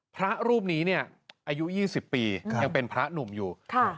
พระรูปนี้เนี่ยอายุ๒๐ปียังเป็นพระหนุ่มอยู่